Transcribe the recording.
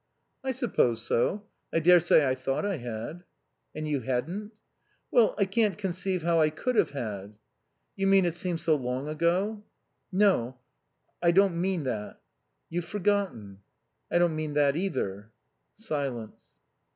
"I suppose so. I dare say I thought I had." "And you hadn't?" "Well, I can't conceive how I could have had." "You mean it seems so long ago." "No, I don't mean that." "You've forgotten." "I don't mean that, either." Silence.